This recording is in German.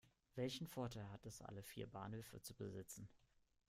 Welchen Vorteil hat es, alle vier Bahnhöfe zu besitzen?